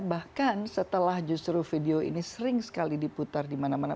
bahkan setelah justru video ini sering sekali diputar di mana mana